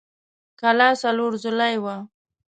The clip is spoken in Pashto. کلا څلور ضلعۍ وه.